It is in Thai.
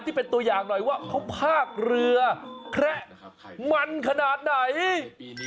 ที่เป็นตัวอย่างหน่อยว่าเขาพากเรือแคระมันขนาดไหน